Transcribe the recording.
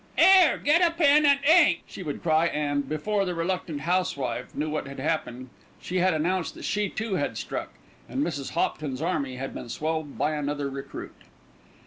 "'Ere, get a pen an' ink," she would cry and, before the reluctant housewife knew what had happened, she had announced that she too had struck, and Mrs. Hopton's army had been swelled by another recruit.